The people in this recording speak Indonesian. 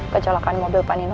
kecelakaan mobil pak nino